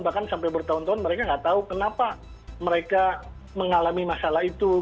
bahkan sampai bertahun tahun mereka tidak tahu kenapa mereka mengalami masalah itu